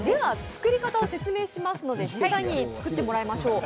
作り方を説明しますので実際に作ってもらいましょう。